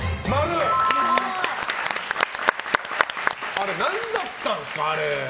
あれ、何だったんですか。